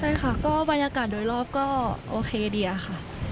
ใช่ค่ะก็บรรยากาศโดยรอบก็โอเคดีอะค่ะ